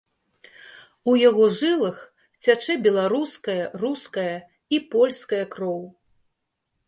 У яго жылах цячэ беларуская, руская і польская кроў.